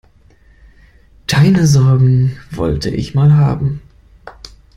Deine Sorgen wollte ich mal haben.